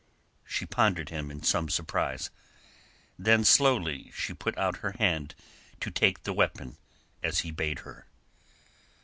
She pondered him in some surprise. Then slowly she put out her hand to take the weapon, as he bade her.